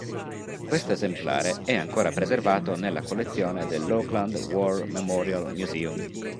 Questo esemplare è ancora preservato nella collezione dell'Auckland War Memorial Museum.